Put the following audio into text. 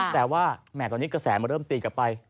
แต่ว่าแหม่ตอนนี้กระแสมันเริ่มตีกลับไป